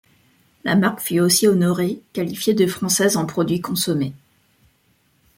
La marque fut aussi honorée, qualifiée de française en produits consommés.